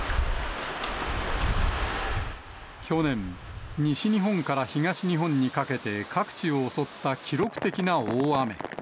去年、西日本から東日本にかけて、各地を襲った記録的な大雨。